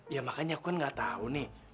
ya makanya aku kan gak tahu nih